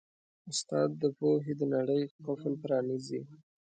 استاد د پوهې د نړۍ قفل پرانیزي.